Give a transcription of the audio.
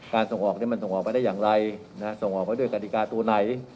ส่งออกมันส่งออกไปได้อย่างไรส่งออกไปด้วยกฎิกาตัวไหน